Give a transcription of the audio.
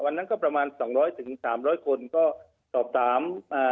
วันนั้นก็ประมาณ๒๐๐ถึง๓๐๐คนก็สอบกัน